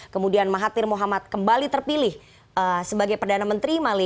kemudian mahathir mohamad kembali terpilih sebagai perdana menteri